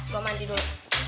gue mandi dulu